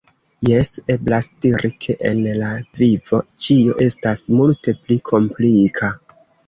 Jes, eblas diri, ke en la vivo ĉio estas multe pli komplika.